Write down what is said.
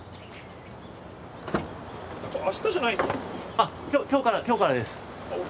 あっ今日から今日からです。